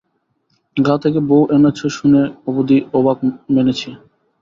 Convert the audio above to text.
গা থেকে বৌ এনেছ শুনে অবধি অবাক মেনেছি।